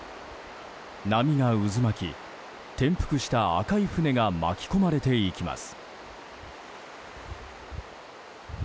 波が渦巻き、転覆した赤い船が巻き込まれていきます。